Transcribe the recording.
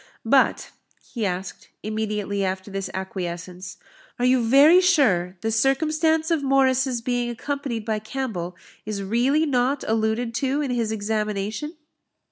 "But," he asked, immediately after this acquiescence, "are you very sure the circumstance of Morris's being accompanied by Campbell is really not alluded to in his examination?"